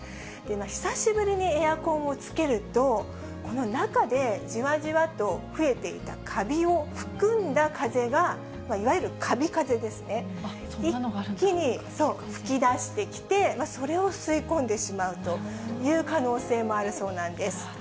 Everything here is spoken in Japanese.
久しぶりにエアコンをつけると、この中でじわじわと増えていたカビを含んだ風が、いわゆるカビ風ですね、一気に吹き出してきて、それを吸い込んでしまうという可注意しないと。